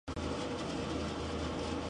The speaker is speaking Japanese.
大きいサイズ